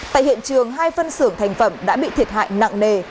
tại hiện trường hai phân xưởng thành phẩm đã bị thiệt hại nặng nề